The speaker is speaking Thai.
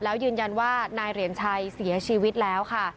แล้วยืนยันว่านายเหรียญชัยเสียชีวิตแล้วค่ะ